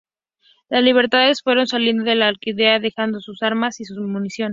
Los liberales fueron saliendo de la alquería, dejando sus armas y su munición.